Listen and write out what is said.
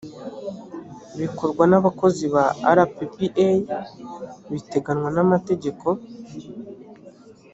bikorwa n’abakozi ba rppa biteganywa n’amategeko